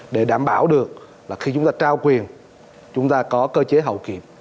để đảm bảo được là khi chúng ta trao quyền chúng ta có cơ chế hậu kiệp